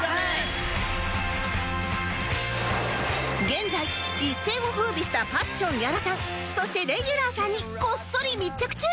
現在一世を風靡したパッション屋良さんそしてレギュラーさんにこっそり密着中！